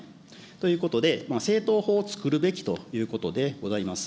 ということで、政党法を作るべきということでございます。